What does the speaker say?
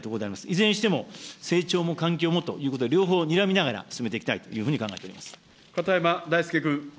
いずれにしても、成長も環境もということで、両方にらみながら進めていきたいというふうに考えて片山大介君。